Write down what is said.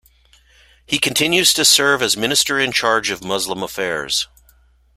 He continues to serve as the Minister-in-charge of Muslim Affairs.